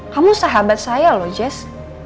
kamu sahabat saya loh jazz